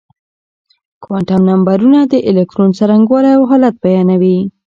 کوانتم نمبرونه د الکترون څرنګوالی او حالت بيانوي.